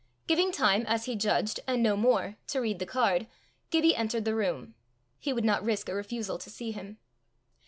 Giving time, as he judged, and no more, to read the card, Gibbie entered the room: he would not risk a refusal to see him.